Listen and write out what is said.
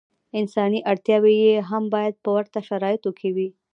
انساني اړتیاوې یې هم باید په ورته شرایطو کې وي.